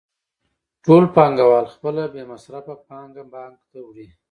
ټول پانګوال خپله بې مصرفه پانګه بانک ته وړي